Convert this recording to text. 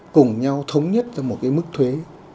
cùng nhau thống nhất ra một cái mức thuế